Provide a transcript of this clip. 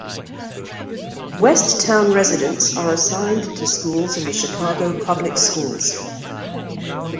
West Town residents are assigned to schools in the Chicago Public Schools.